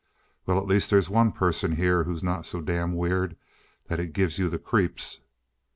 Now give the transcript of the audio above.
"Well, at least there's one person here who's not so damn weird that it gives you the creeps."